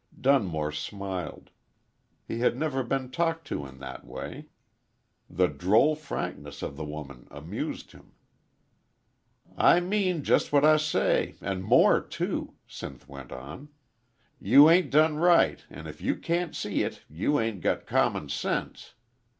Dunmore smiled. He had never been talked to in that way. The droll frankness of the woman amused him. "I mean jest what I say an' more too," Sinth went on. "You 'ain't done right, an' if you can't see it you 'ain't got common sense.